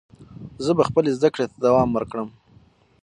زه به خپلې زده کړې ته دوام ورکړم.